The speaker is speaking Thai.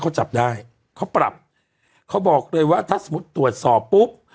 เขาจับได้เขาปรับเขาบอกเลยว่าถ้าสมมุติตรวจสอบปุ๊บ